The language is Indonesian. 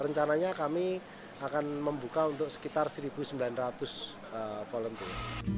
rencananya kami akan membuka untuk sekitar satu sembilan ratus volunteer